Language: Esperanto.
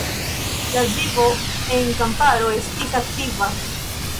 La vivo en kamparo estis aktiva.